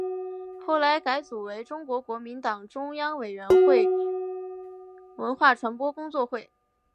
后来改组为中国国民党中央委员会文化传播工作会。